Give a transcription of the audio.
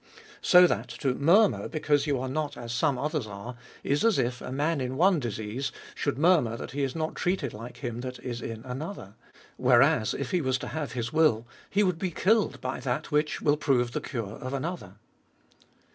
So that to mur mur because you are not as some others are, is as if a man, in one disease, should murmur that he is not treated like him that is in another. Whereas, if he was to have his will, he would be killed bv that which will prove the cure of another.